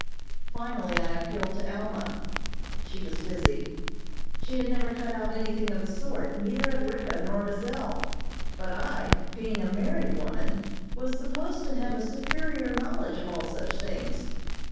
Finally I appealed to Alma. She was busy. She had never cut out anything of the sort, neither had Ricka nor Miss L., but I being a married woman was supposed to have a superior knowledge of all such things.